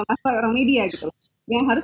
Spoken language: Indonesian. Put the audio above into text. masalah orang media gitu yang harus